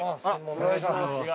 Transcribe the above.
お願いします。